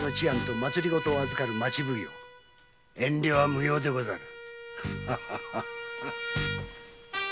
遠慮は無用でござる。